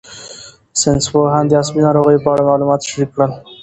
ساینسپوهان د عصبي ناروغیو په اړه معلومات شریک کړل.